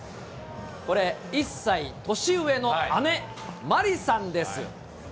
これ、１歳年上の姉、まりさんです。